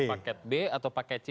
a atau paket b atau paket c